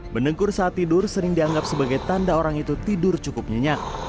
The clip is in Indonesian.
menengkur saat tidur sering dianggap sebagai tanda orang itu tidur cukup nyenyak